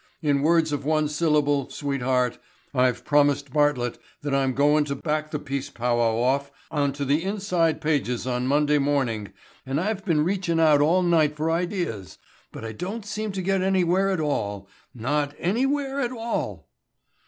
In words of one syllable, sweetheart, I've promised Bartlett that I'm goin' to back the peace pow wow off on to the inside pages on Monday morning and I've been reachin' out all night for ideas, but I don't seem to get anywhere at all, not anywhere at all."